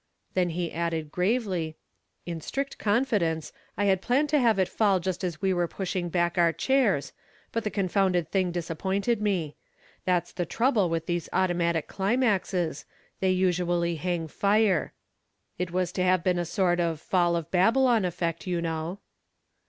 Then he added, gravely: "In strict confidence, I had planned to have it fall just as we were pushing back our chairs, but the confounded thing disappointed me. That's the trouble with these automatic climaxes; they usually hang fire. It was to have been a sort of Fall of Babylon effect, you know."